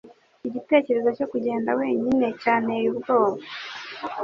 Igitekerezo cyo kugenda wenyine cyanteye ubwoba.